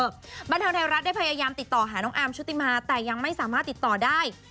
บันเทิงไทยรัฐได้พยายามติดต่อหาน้องอาร์มชุติมาแต่ยังไม่สามารถติดต่อได้